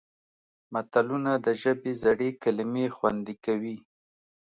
متلونه د ژبې زړې کلمې خوندي کوي